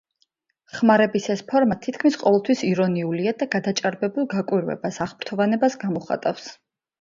ხმარების ეს ფორმა თითქმის ყოველთვის ირონიულია და გადაჭარბებულ გაკვირვებას, აღფრთოვანებას გამოხატავს.